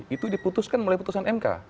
itu diputuskan oleh putusan mk